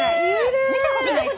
見たことない？